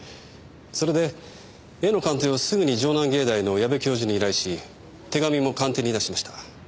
それで絵の鑑定をすぐに城南芸大の矢部教授に依頼し手紙も鑑定に出しました。